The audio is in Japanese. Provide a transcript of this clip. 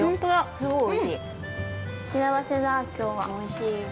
◆おいしい？